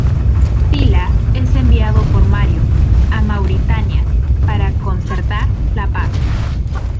Sila es enviado por Mario a Mauritania para concertar la paz.